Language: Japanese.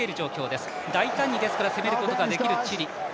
ですから、大胆に攻めることができるチリ。